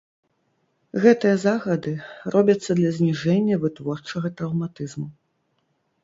Гэтыя захады робяцца для зніжэння вытворчага траўматызму.